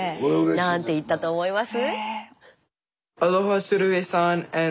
何て言ったと思います？